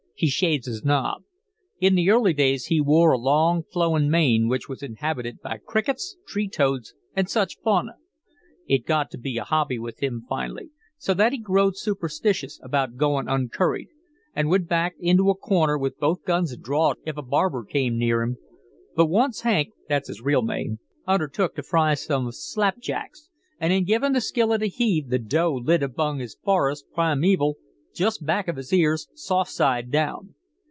He shaves his nob. In the early days he wore a long flowin' mane which was inhabited by crickets, tree toads, and such fauna. It got to be a hobby with him finally, so that he growed superstitious about goin' uncurried, and would back into a corner with both guns drawed if a barber came near him. But once Hank that's his real name undertook to fry some slapjacks, and in givin' the skillet a heave, the dough lit among his forest primeval, jest back of his ears, soft side down.